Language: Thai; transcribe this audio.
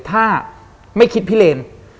ถ้าไม่คิดพิเลน